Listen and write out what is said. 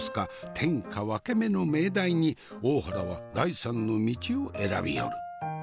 天下分け目の命題に大原は第三の道を選びよる。